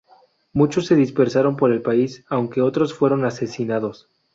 Muchos se dispersaron por el país, aunque otros fueron asesinados.